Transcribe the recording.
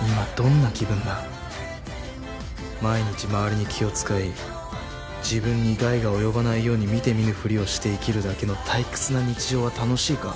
毎日周りに気を使い自分に害が及ばないように見て見ぬふりをして生きるだけの退屈な日常は楽しいか？